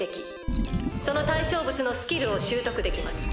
その対象物のスキルを習得できます。